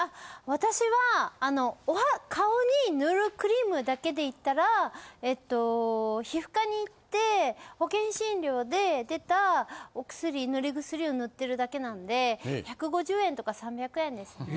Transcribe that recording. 私は顔に塗るクリームだけでいったらえっと皮膚科に行って保険診療で出たお薬塗り薬を塗ってるだけなんで１５０円とか３００円ですね。